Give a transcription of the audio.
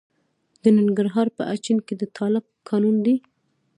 د ننګرهار په اچین کې د تالک کانونه دي.